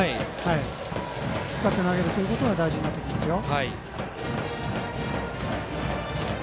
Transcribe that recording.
使って投げることが大事になってきますよ。